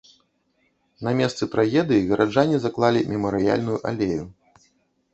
На месцы трагедыі гараджане заклалі мемарыяльную алею.